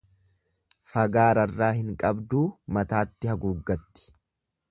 Fagaararraa hin qabduu mataatti haguuggatti.